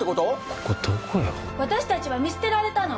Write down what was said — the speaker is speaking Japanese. ここどこよ・私たちは見捨てられたの！